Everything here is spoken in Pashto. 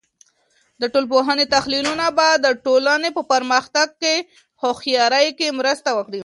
د ټولنپوهانو تحلیلونه به د ټولنې په پرمختګ کې هوښیارۍ کې مرسته وکړي.